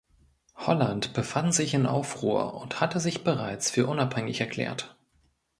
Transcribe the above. Holland befand sich in Aufruhr und hatte sich bereits für unabhängig erklärt.